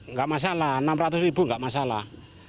nggak masalah rp enam ratus nggak masalah